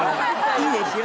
いいですよ。